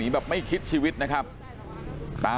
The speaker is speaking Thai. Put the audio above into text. สุดท้ายเนี่ยขี่รถหน้าที่ก็ไม่ยอมหยุดนะฮะ